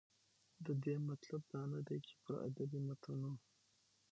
د دې مطلب دا نه دى، چې پر ادبي متونو